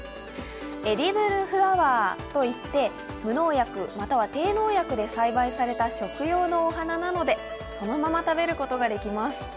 エディブルフラワーといって無農薬、または低農薬で栽培された食用のお花なのでそのまま食べることができます。